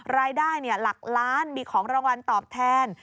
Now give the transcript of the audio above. รายได้หลักล้านมีของรางวัลตอบแทน